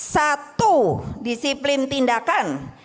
satu disiplin tindakan